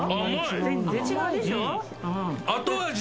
全然違うでしょ？